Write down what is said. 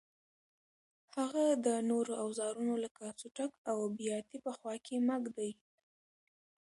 هغه د نورو اوزارونو لکه څټک او بیاتي په خوا کې مه ږدئ.